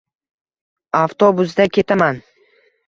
Avtobusda ketaman